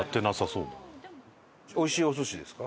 おいしいお寿司ですか？